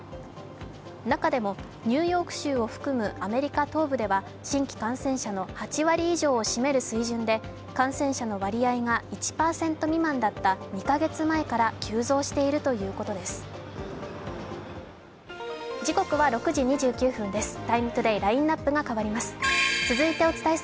中でもニューヨーク州を含むアメリカ東部では新規感染者の８割以上を占める水準で感染者の割合が１％未満だった２か月前から急増しているということです。